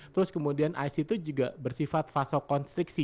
terus kemudian ice itu juga bersifat fasokonstriksi